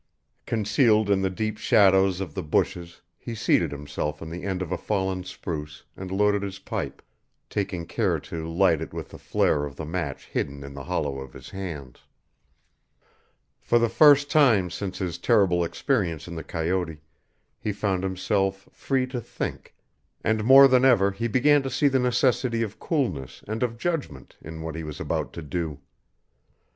Concealed in the deep shadows of the bushes he seated himself on the end of a fallen spruce and loaded his pipe, taking care to light it with the flare of the match hidden in the hollow of his hands. For the first time since his terrible experience in the coyote he found himself free to think, and more than ever he began to see the necessity of coolness and of judgment in what he was about to do.